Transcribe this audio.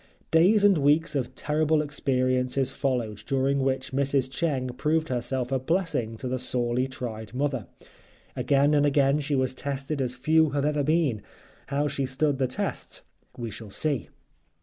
Days and weeks of terrible experiences followed, during which Mrs. Cheng proved herself a blessing to the sorely tried mother. Again and again she was tested as few have ever been; how she stood the tests we shall see.